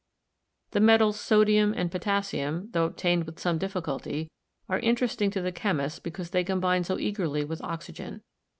The metals sodium and potassium, tho obtained with some difficulty, are interesting to the chemist because they combine so eagerly with oxygen.